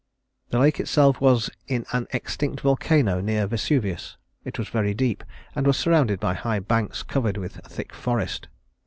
The lake itself was in an extinct volcano near Vesuvius. It was very deep, and was surrounded by high banks covered with a thick forest.